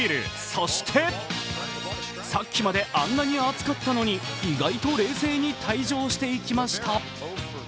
そしてさっきまであんなに熱かったのに意外と冷静に退場していきました。